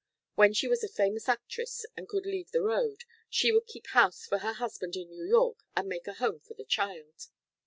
When she was a famous actress and could leave the road, she would keep house for her husband in New York, and make a home for the child.